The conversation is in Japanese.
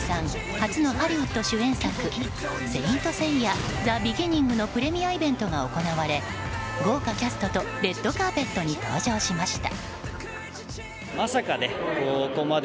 初のハリウッド主演作「聖闘士星矢ＴｈｅＢｅｇｉｎｎｉｎｇ」のプレミアイベントが行われ豪華キャストとレッドカーペットに登場しました。